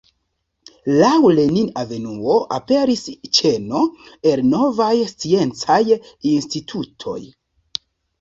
Laŭ Lenin-avenuo aperis ĉeno el novaj sciencaj institutoj.